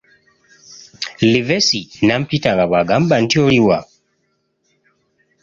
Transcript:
Livesey n'ampita nga bw’agamba nti oliwa.